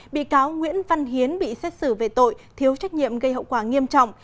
bị cáo nguyễn văn hiến bị xét xử về tội thiếu trách nhiệm gây hậu quả nghiêm trọng